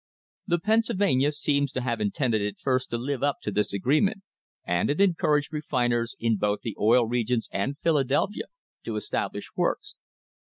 The Pennsylvania seems to have intended at first to live up to this agreement, and it encouraged refiners in both the Oil Regions and Philadelphia to establish works.